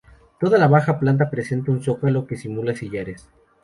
Toda la planta baja presenta un zócalo que simula sillares.